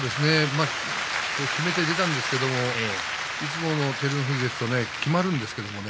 きめて出たんですけどいつもの照ノ富士ですときまるんですけれどね